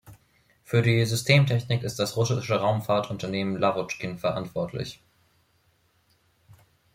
Für die Systemtechnik ist das russische Raumfahrtunternehmen Lawotschkin verantwortlich.